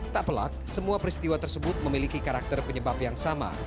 tak pelak semua peristiwa tersebut memiliki karakter penyebab yang sama